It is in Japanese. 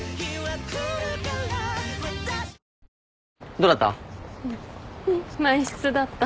どうだった？